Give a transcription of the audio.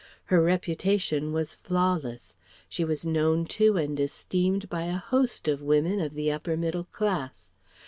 Her reputation was flawless. She was known to and esteemed by a host of women of the upper middle class.